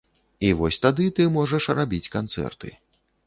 І вось тады ты можаш рабіць канцэрты.